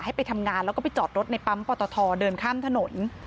ไปทำงานแล้วก็ไปจอดรถในปั๊มปอตทเดินข้ามถนน